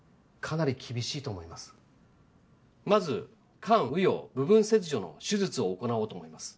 まず肝右葉部分切除の手術を行おうと思います。